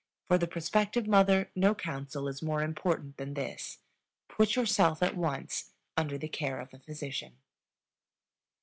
For the prospective mother no counsel is more important than this: Put yourself at once under the care of a physician.